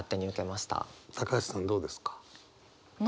橋さんどうですか？